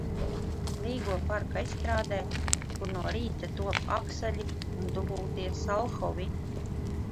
Līgo parka estrādē, kur no rīta top akseļi un dubultie salhovi.